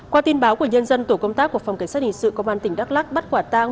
qua tin báo của nhân dân tổ công tác của phòng cảnh sát hình sự công an tỉnh đắk lắc bắt quả tang